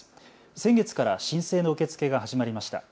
先月から申請の受け付けが始まりました。